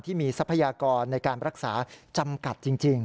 ทรัพยากรในการรักษาจำกัดจริง